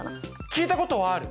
聞いたことはある。